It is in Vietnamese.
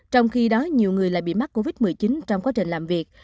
trong khi đó nhiều người lại bị mắc covid một mươi chín trong quá trình làm việc